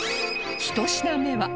１品目は